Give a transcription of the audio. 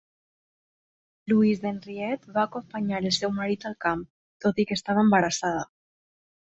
Louise Henriette va acompanyar el seu marit al camp, tot i que estava embarassada.